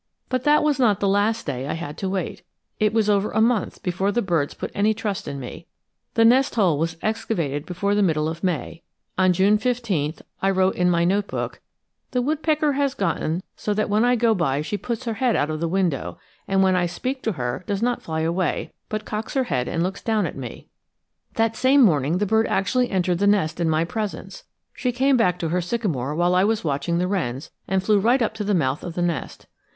But that was not the last day I had to wait. It was over a month before the birds put any trust in me. The nest hole was excavated before the middle of May; on June 15 I wrote in my note book, "The woodpecker has gotten so that when I go by she puts her head out of the window, and when I speak to her does not fly away, but cocks her head and looks down at me." That same morning the bird actually entered the nest in my presence. She came back to her sycamore while I was watching the wrens, and flew right up to the mouth of the nest.